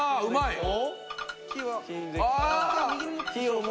うまい。